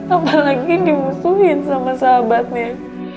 apalagi dimusuhin sama sahabatnya